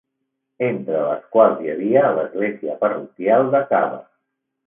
Entre les quals hi havia l'església parroquial de Cava.